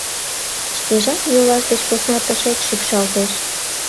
Шкежат йолаш деч посна тышеч шикшалтеш!